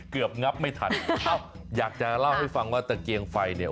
งับไม่ทันเอ้าอยากจะเล่าให้ฟังว่าตะเกียงไฟเนี่ย